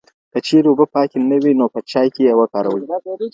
که چېرې اوبه پاکې نه وي، نو په چای کې یې وکاروئ.